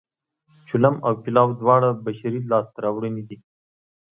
چلم او پلاو دواړه بشري لاسته راوړنې دي